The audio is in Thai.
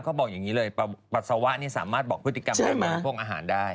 เขาบอกอย่างนี้เลยปัสสาวะนี่สามารถบอกพฤติกรรมได้เหมือนพวกอาหารได้